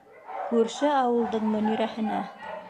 Күрше ауылдың Мөнирәһенә!